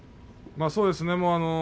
そうですね。